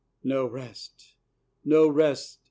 No rest! No rest!